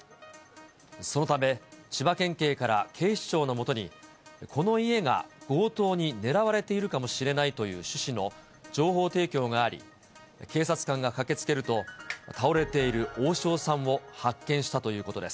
そのため、千葉県警から警視庁のもとに、この家が強盗に狙われているかもしれないという趣旨の情報提供があり、警察官が駆けつけると、倒れている大塩さんを発見したということです。